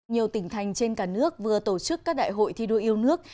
nhiều tỉnh thành trên cả nước vừa tổ chức các đại hội thi đua yêu nước